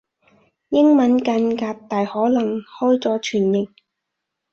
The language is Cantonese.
英文間隔大可能開咗全形